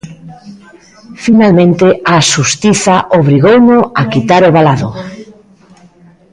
Finalmente, a Xustiza obrigouno a quitar o valado.